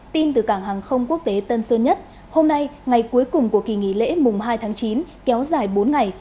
tin từ cảng hàng không quốc tế tân sơn nhất hôm nay ngày cuối cùng của kỳ nghỉ lễ mùng hai tháng chín kéo dài bốn ngày